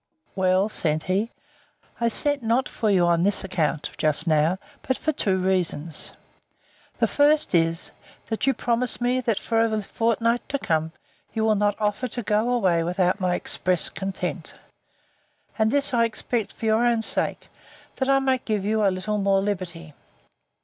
Well, said he, I sent not for you on this account, just now; but for two reasons. The first is, That you promise me, that for a fortnight to come you will not offer to go away without my express consent; and this I expect for your own sake, that I may give you a little more liberty.